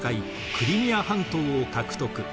クリミア半島を獲得。